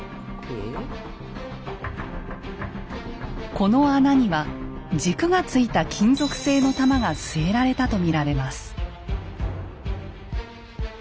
この穴には軸がついた金属製の玉が据えられたと見られます。